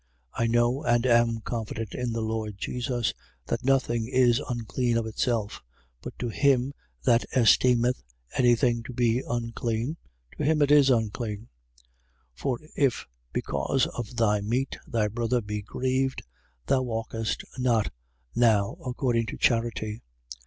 14:14. I know, and am confident in the Lord Jesus, that nothing is unclean of itself: but to him that esteemeth any thing to be unclean, to him it is unclean. 14:15. For if, because of thy meat, thy brother be grieved, thou walkest not now according to charity.